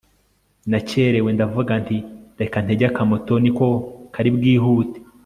nakerewe ndavuga nti reka ntege akamoto niko kari bwihute